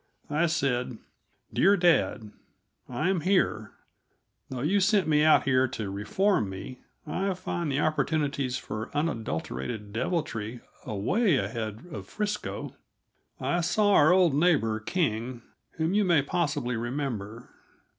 I said: DEAR DAD: I am here. Though you sent me out here to reform me, I find the opportunities for unadulterated deviltry away ahead of Frisco. I saw our old neighbor, King, whom you may possibly remember.